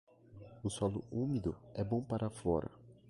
O solo úmido é bom para a flora.